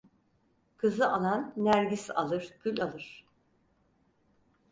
Kızı alan nergis alır gül alır.